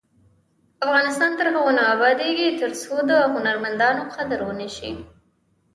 افغانستان تر هغو نه ابادیږي، ترڅو د هنرمندانو قدر ونشي.